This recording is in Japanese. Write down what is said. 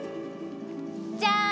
じゃん！